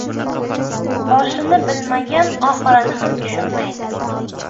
• Boshini bilmagan oxirini ham tushunmaydi.